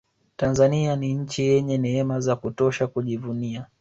tanzania ni nchi yenye neema za kutosha kujivunia